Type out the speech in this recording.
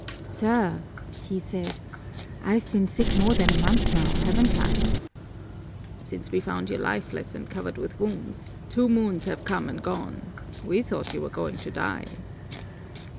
"Sir," he said, "I've been sick more than a month now, haven't I?" "Since we found you lifeless and covered with wounds, two moons have come and gone. We thought you were going to die."